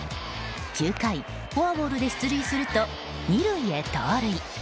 ９回、フォアボールで出塁すると２塁へ盗塁。